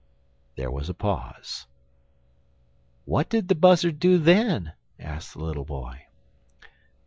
There was a pause. "What did the Buzzard do then?" asked the little boy.